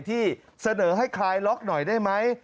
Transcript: ที่เสนอให้คลายล็อกหน่อยได้ไหม